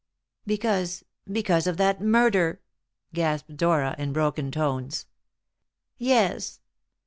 "Because because of that murder!" gasped Dora in broken tones. "Yes.